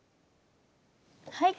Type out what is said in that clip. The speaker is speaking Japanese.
はい。